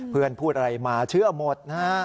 เพื่อนพูดอะไรมาเชื่อหมดนะครับ